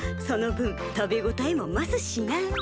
その分食べ応えも増すしな。